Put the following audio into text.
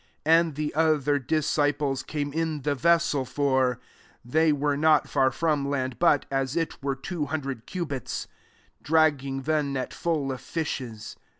8 And the other disciples came in the ves sel, (for they were not far from land, but as it were two hun dred cubits), dragging the net full of fishes.